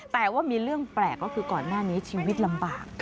แต่ว่ามีเรื่องแปลกก็คือก่อนหน้านี้ชีวิตลำบาก